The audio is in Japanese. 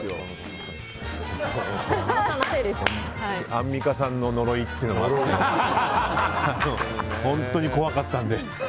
アンミカさんの呪いというのもあって本当に怖かったので。